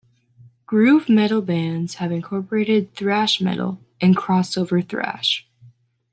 Groove metal bands have incorporated thrash metal, and crossover thrash.